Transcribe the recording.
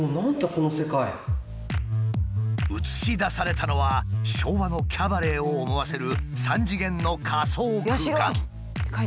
映し出されたのは昭和のキャバレーを思わせる３次元の仮想空間。